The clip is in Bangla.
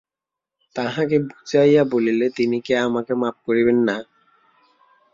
তাঁহাকে বুঝাইয়া বলিলে তিনি আমাকে কি মাপ করিবেন না?